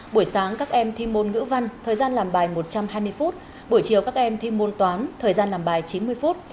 buổi sáng các em thi môn ngữ văn thời gian làm bài một trăm hai mươi phút buổi chiều các em thi môn toán thời gian làm bài chín mươi phút